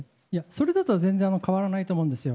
それだと全然変わらないと思うんですよ。